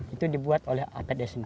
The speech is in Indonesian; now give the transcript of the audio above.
itu dibuat oleh apds sendiri